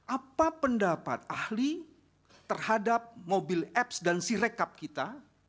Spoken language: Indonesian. apa pendapat ahli terhadap mobil apps dan sirekap kita